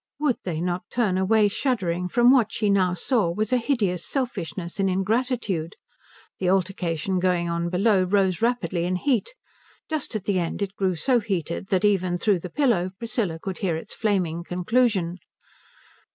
Would they not turn away shuddering from what she now saw was a hideous selfishness and ingratitude? The altercation going on below rose rapidly in heat. Just at the end it grew so heated that even through the pillow Priscilla could hear its flaming conclusion.